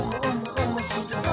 おもしろそう！」